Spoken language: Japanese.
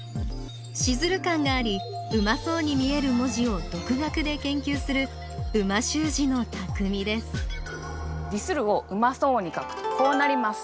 シズル感がありうまそうに見える文字を独学で研究する美味しゅう字のたくみです「ディスる」をうまそうに書くとこうなります。